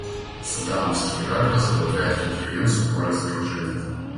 Саддамовский Ирак возглавлял Конференцию по разоружению.